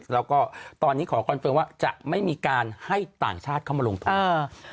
แล้วก็ตอนนี้ขอคอนเฟิร์มว่าจะไม่มีการให้ต่างชาติเข้ามาลงทุน